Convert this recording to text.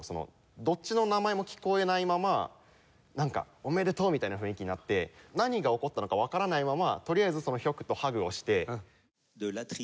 どっちの名前も聞こえないままなんか「おめでとう！」みたいな雰囲気になって何が起こったのかわからないままとりあえずヒョクとハグをして。